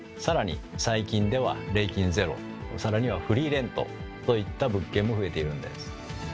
更に最近では礼金ゼロ更にはフリーレントといった物件も増えているんです。